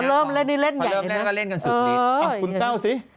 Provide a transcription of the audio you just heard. พอเริ่มเล่นก็เล่นกันสุดนี้เออคุณเต้าสิ